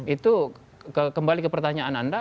itu kembali ke pertanyaan anda